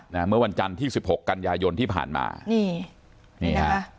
เมื่อวันจันทร์ที่สิบหกกันยายนที่ผ่านมานี่นี่ฮะ